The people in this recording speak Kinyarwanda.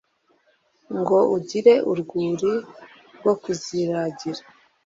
Ngo ugire urwuri rwo kuziragira